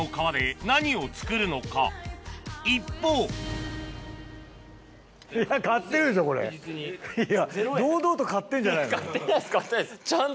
一方堂々と買ってんじゃないの？